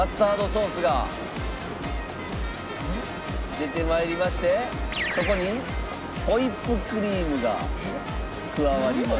出て参りましてそこにホイップクリームが加わります。